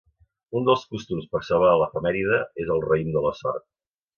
Un dels costums per celebrar l'efemèride és el raïm de la sort.